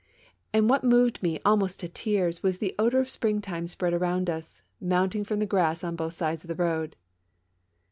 And what moved me almost to tears was the odor of springtime spread around us, mounting from the grass on both sides of the road.